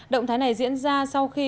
động thái này diễn ra sau khi